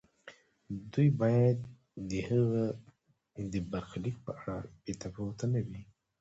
دوی باید د هغه د برخلیک په اړه بې تفاوت نه وي.